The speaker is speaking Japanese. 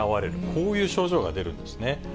こういう症状が出るんですね。